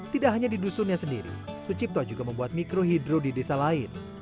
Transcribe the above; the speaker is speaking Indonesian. tidak hanya di dusunnya sendiri sucipto juga membuat mikrohidro di desa lain